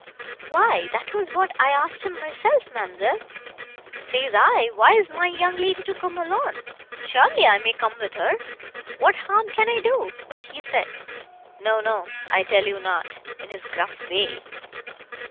"Why that was what I asked him myself, ma'amselle. Says I, 'Why is my young lady to come alone?—Surely I may come with her!—What harm can I do?' But he said 'No—no—I tell you not,' in his gruff way.